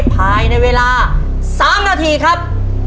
ภายในเวลา๓นาทีครับ